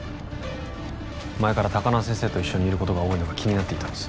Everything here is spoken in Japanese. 前から高輪先生と一緒にいることが多いのが気になっていたんです